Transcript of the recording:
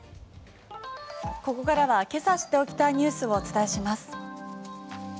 ここからはけさ知っておきたいニュースをお伝えします。